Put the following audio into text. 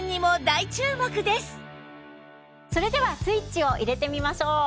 それではスイッチを入れてみましょう。